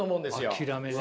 諦めね。